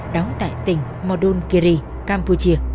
đóng tại tỉnh modunkiri campuchia